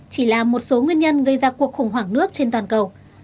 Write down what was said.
chỉ là một số nguyên nhân gây ra cuộc khủng hoảng nước trên toàn cầu